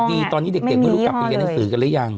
เพราะว่าตอนนี้เด็กไม่รู้ว่าเขาอยู่ด้านธนศีรษะกันรึยัง